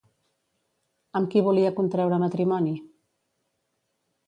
Amb qui volia contreure matrimoni?